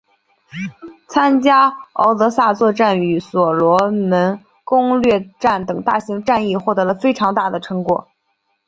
参加敖德萨作战与所罗门攻略战等大型战役获得了非常大的战果。